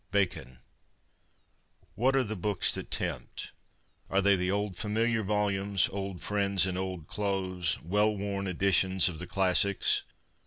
— Bacon. What are the books that tempt ? Are they the old, familiar volumes, old friends in old clothes — well worn editions of the classics